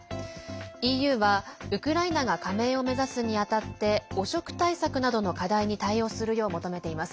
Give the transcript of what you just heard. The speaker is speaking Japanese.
ＥＵは、ウクライナが加盟を目指すにあたって汚職対策などの課題に対応するよう求めています。